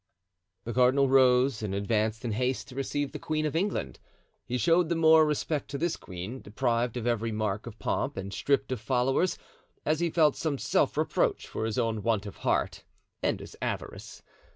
The cardinal rose, and advanced in haste to receive the queen of England. He showed the more respect to this queen, deprived of every mark of pomp and stripped of followers, as he felt some self reproach for his own want of heart and his avarice.